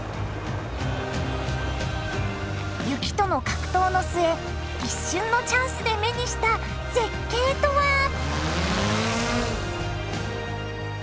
雪との格闘の末一瞬のチャンスで目にした絶景とは！